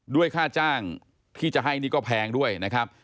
ค่าจ้างที่จะให้นี่ก็แพงด้วยนะครับ